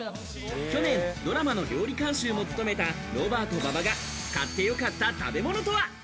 去年、ドラマの料理監修も務めたロバート・馬場が買ってよかった食べ物とは？